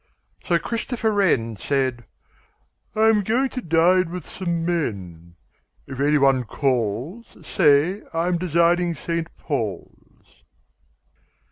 Sir Christopher Wren Said, 'I am going to dine with some men. If anyone calls Say I am designing St. Paul's.'